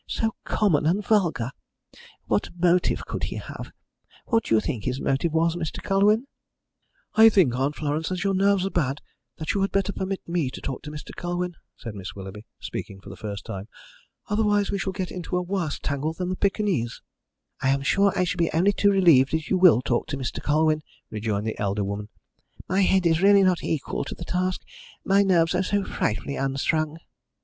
So common and vulgar! What motive could he have? What do you think his motive was, Mr. Colwyn?" "I think, Aunt Florence, as your nerves are bad, that you had better permit me to talk to Mr. Colwyn," said Miss Willoughby, speaking for the first time. "Otherwise we shall get into a worse tangle than the Pekingese." "I am sure I shall be only too relieved if you will talk to Mr. Colwyn," rejoined the elder woman. "My head is really not equal to the task my nerves are so frightfully unstrung."